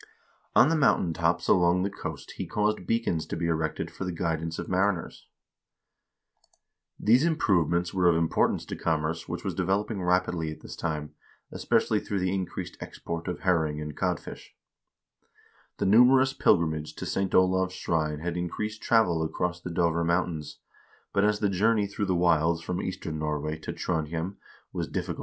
On the mountain tops along the coast he caused beacons to be erected for the guidance of mariners. These improvements were of importance to commerce, which was developing rapidly at this time, especially through the increased export of herring and codfish. The numerous pilgrimages to St. Olav's shrine had increased travel across the Dovre Mountains, but as the journey through the wilds from eastern Norway to Trondhjem was difficult and dangerous, 1 Tveteraas, Stavanger Domkirke, Stavanger Aftenblad, April 12, till June 1, 1911.